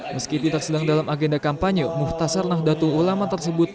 meski tidak sedang dalam agenda kampanye muftasar nahdlatul ulama tersebut